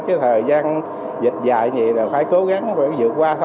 chứ thời gian dịch dài vậy là phải cố gắng